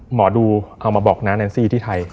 หมอดูเอามาบอกน้าแอนซี่ที่ไทย